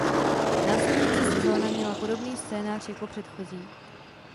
Následující sezóna měla podobný scénář jako předchozí.